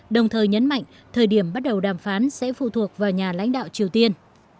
đồng thời nhấn mạnh thời điểm bắt đầu đàm phán sẽ phụ thuộc vào nhà lãnh đạo triều tiên